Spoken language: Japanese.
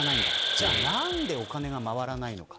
じゃあ何でお金が回らないのか。